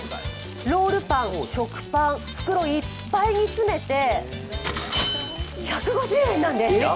ロールパン、食パン、袋いっぱいに詰めて１５０円なんです。